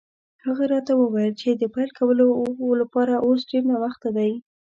هغه راته وویل چې د پیل کولو لپاره اوس ډېر ناوخته دی.